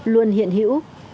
luôn hiện hữu